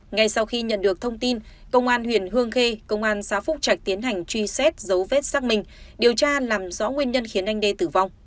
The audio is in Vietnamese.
ngay sau khi nhận được thông tin công an huyện hương khê công an xã phúc trạch tiến hành truy xét dấu vết xác minh điều tra làm rõ nguyên nhân khiến anh đê tử vong